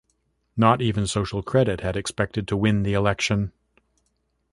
Not even Social Credit had expected to win the election.